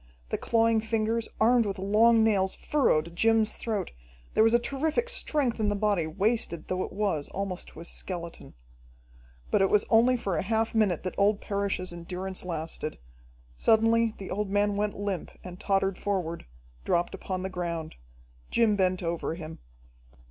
The clawing fingers, armed with long nails, furrowed Jim's throat, there was a terrific strength in the body, wasted though it was almost to a skeleton. But it was only for a half minute that old Parrish's endurance lasted. Suddenly the old man went limp and tottered forward, dropped upon the ground. Jim bent over him.